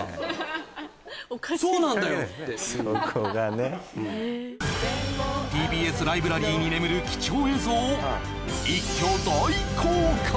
そうなんだよってそこがねＴＢＳライブラリーに眠る貴重映像を一挙大公開